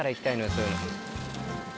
そういうの。